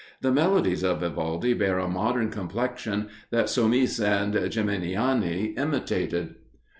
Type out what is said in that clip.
The melodies of Vivaldi bear a modern complexion that Somis and Geminiani imitated.